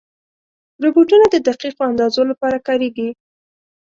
روبوټونه د دقیقو اندازو لپاره کارېږي.